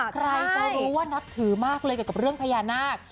ใครจะรู้ว่านับถือมากเลยเกี่ยวกับเรื่องพญานาค